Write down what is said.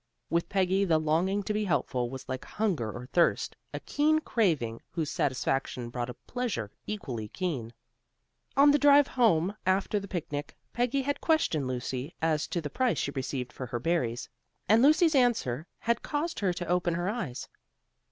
With Peggy the longing to be helpful was like hunger or thirst, a keen craving whose satisfaction brought a pleasure equally keen. On the drive home after the picnic Peggy had questioned Lucy as to the price she received for her berries, and Lucy's answer had caused her to open her eyes.